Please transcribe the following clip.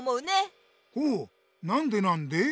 ほうなんでなんで？